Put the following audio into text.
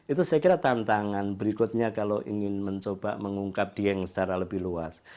itu saya kira tantangan berikutnya kalau ingin mencoba mengungkap dieng secara lebih luas